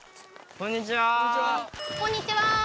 こんにちは。